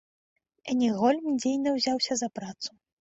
Энегольм дзейна ўзяўся за працу.